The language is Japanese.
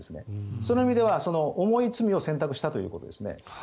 その意味では重い罪を選択したということですね。